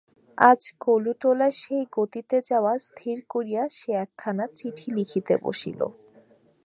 আজ কলুটোলার সেই গতিতে যাওয়া স্থির করিয়া সে একখানা চিঠি লিখিতে বসিল।